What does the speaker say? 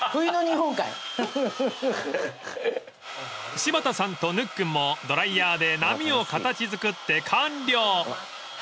［柴田さんとぬっくんもドライヤーで波を形作って完了］